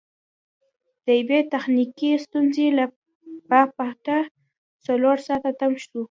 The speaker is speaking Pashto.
د یوې تخنیکي ستونزې له با بته څلور ساعته تم سو.